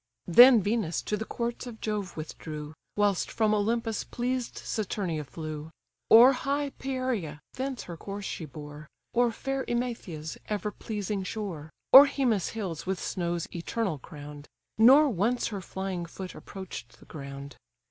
Then Venus to the courts of Jove withdrew; Whilst from Olympus pleased Saturnia flew. O'er high Pieria thence her course she bore, O'er fair Emathia's ever pleasing shore, O'er Hemus' hills with snows eternal crown'd; Nor once her flying foot approach'd the ground.